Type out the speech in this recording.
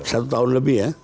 satu tahun lebih ya